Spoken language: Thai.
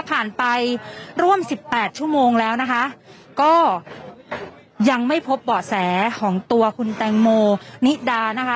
ผ่านไปร่วมสิบแปดชั่วโมงแล้วนะคะก็ยังไม่พบเบาะแสของตัวคุณแตงโมนิดานะคะ